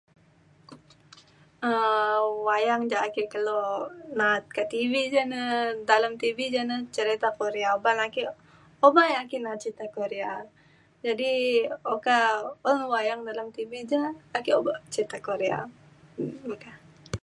um wayang ja ake kelo na’at kak TV ja na dalem TV ja na cerita Korea uban ake obak ake na’at cerita Korea. jadi okak un wayang dalem TV ja ake obak cerita Korea meka.